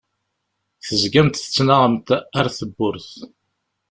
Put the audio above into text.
Tezgamt tettɣamamt ar tewwurt.